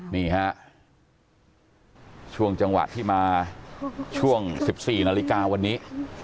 นี่ฮะช่วงจังหวะที่มาช่วง๑๔นาฬิกาวันนี้